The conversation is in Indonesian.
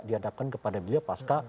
diadakan kepada beliau paska